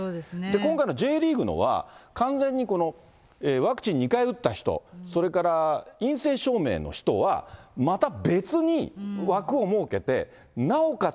今回のＪリーグのは、完全にワクチン２回打った人、それから陰性証明の人は、また別に枠を設けて、なおかつ